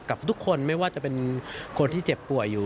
กับทุกคนไม่ว่าจะเป็นคนที่เจ็บป่วยอยู่